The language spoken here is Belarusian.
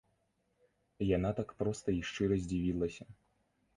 Яна так проста і шчыра здзівілася.